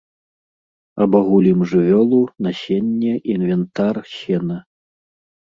Абагулім жывёлу, насенне, інвентар, сена.